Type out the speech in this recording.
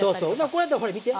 これやったらほら見て。